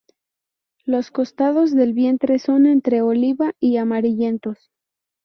Los costados del vientre son entre oliva y amarillentos.